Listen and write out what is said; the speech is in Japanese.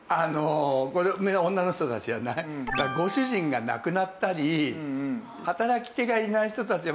この女の人たちはねご主人が亡くなったり働き手がいない人たち。